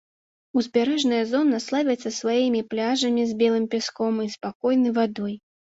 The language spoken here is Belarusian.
Узбярэжная зона славіцца сваімі пляжамі з белым пяском і спакойнай вадой.